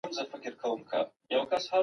ځینې وايي شیدې ګټې کموي.